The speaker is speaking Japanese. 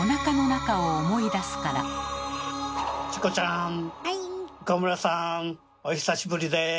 チコちゃん岡村さんお久しぶりです。